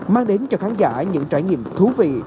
mang đến cho khán giả những trải nghiệm thú vị